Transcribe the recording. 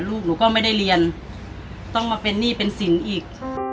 ลูกหนูก็ไม่ได้เรียนต้องมาเป็นหนี้เป็นสินอีก